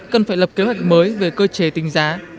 cần phải lập kế hoạch mới về cơ chế tính giá